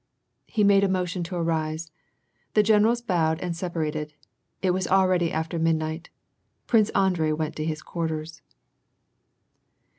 He made a motion to arise. The generals bowed and sepa rated. It was already after midnight. Prince Andrei went to his quarters.